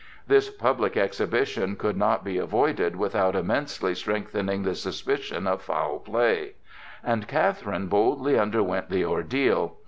This public exhibition could not be avoided without immensely strengthening the suspicion of foul play; and Catherine boldly underwent the ordeal.